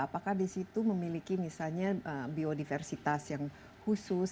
apakah di situ memiliki misalnya biodiversitas yang khusus